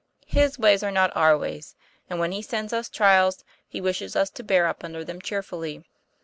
His ways are not our ways. And when He sends us trials, He wishes us to hear up under them cheerfully."